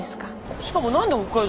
しかも何で北海道なんだ？